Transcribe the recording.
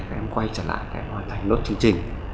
các em quay trở lại để hoàn thành nốt chương trình